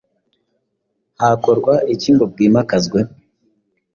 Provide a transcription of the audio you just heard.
hakorwa iki ngo bwimakazwe?